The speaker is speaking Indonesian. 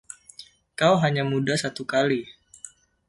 Kau Hanya Muda Satu Kali...